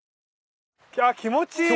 気持ちいい！